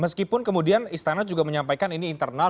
meskipun kemudian istana juga menyampaikan ini internal